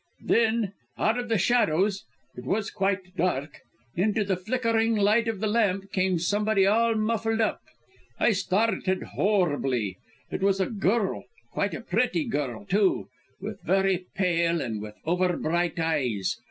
"Then, out of the shadows it was quite dark into the flickering light of the lamp came somebody all muffled up. I started horribly. It was a girl, quite a pretty girl, too, but very pale, and with over bright eyes.